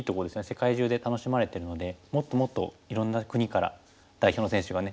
世界中で楽しまれてるのでもっともっといろんな国から代表の選手がね出てくれると。